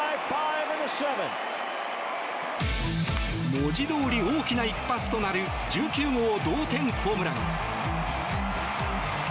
文字どおり大きな一発となる１９号同点ホームラン。